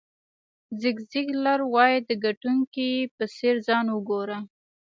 زیګ زیګلر وایي د ګټونکي په څېر ځان وګوره.